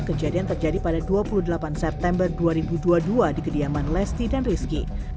kejadian terjadi pada dua puluh delapan september dua ribu dua puluh dua di kediaman lesti dan rizky